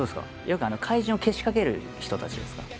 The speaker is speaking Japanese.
よく怪獣をけしかける人たちですか？